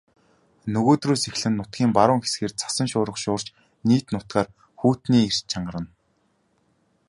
Нөгөөдрөөс эхлэн нутгийн баруун хэсгээр цасан шуурга шуурч нийт нутгаар хүйтний эрч чангарна.